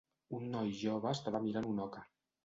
Un noi jove estava mirant una oca.